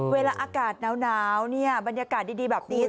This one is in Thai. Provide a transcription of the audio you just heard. เวลาอากาศหนาวเนี่ยบรรยากาศดีแบบนี้